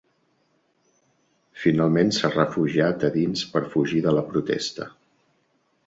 Finalment s’ha refugiat a dins per fugir de la protesta.